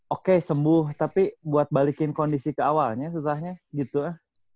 oke sembuh tapi buat balikin kondisi ke awalnya susahnya gitu ya